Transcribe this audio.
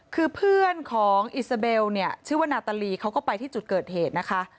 คือเพื่อนของอิสราเบลเนี่ยชื่อว่านาตาลีเขาก็ไปที่จุดเกิดเหตุนะคะ